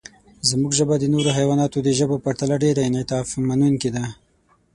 زموږ ژبه د نورو حیواناتو د ژبو په پرتله ډېر انعطافمنونکې ده.